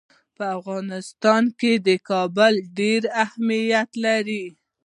په افغانستان کې کابل ډېر اهمیت لري.